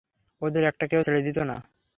ওদের একটাকেও ছেড়ে দিত না।